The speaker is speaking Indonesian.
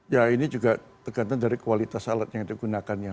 ya ini juga tergantung dari kualitas alat yang digunakan ya